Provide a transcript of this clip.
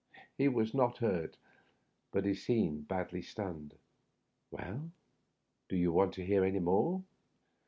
He was not hurt, but he seemed badly stunned. Well, do you want to hear any more?